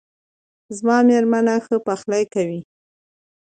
زما میرمن ښه پخلی کوي